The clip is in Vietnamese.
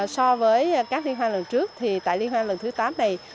so với các liên hoan lần trước thì tại liên hoan lần thứ tám này